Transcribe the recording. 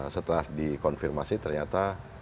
setelah dikonfirmasi ternyata